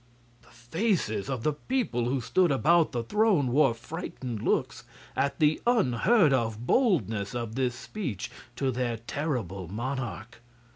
The faces of the people who stood about the throne wore frightened looks at the unheard of boldness of this speech to their terrible monarch.